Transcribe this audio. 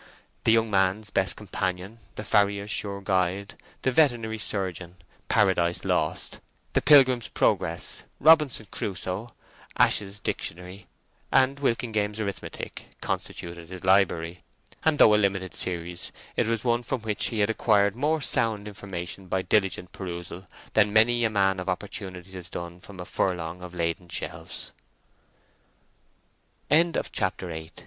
The Young Man's Best Companion, The Farrier's Sure Guide, The Veterinary Surgeon, Paradise Lost, The Pilgrim's Progress, Robinson Crusoe, Ash's Dictionary, and Walkingame's Arithmetic, constituted his library; and though a limited series, it was one from which he had acquired more sound information by diligent perusal than many a man of opportunities has done from a furlong of laden she